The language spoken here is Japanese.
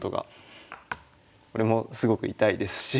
これもすごく痛いですし。